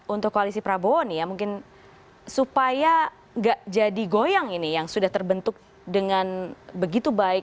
untuk koalisi prabowo nih ya mungkin supaya nggak jadi goyang ini yang sudah terbentuk dengan begitu baik